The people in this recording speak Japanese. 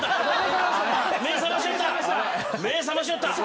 目ぇ覚ましよった！